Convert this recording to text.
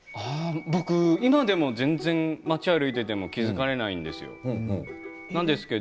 今でも全然街を歩いていても気付かれないんですけど。